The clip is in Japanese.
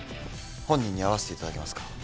本人に会わせていただけますか？